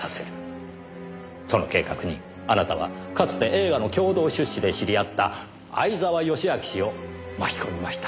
その計画にあなたはかつて映画の共同出資で知り合った相沢良明氏を巻き込みました。